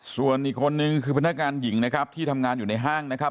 ส่วนอีกคนนึงคือพนักงานหญิงนะครับที่ทำงานอยู่ในห้างนะครับ